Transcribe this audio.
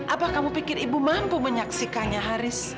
apa kamu pikir ibu mampu menyaksikannya haris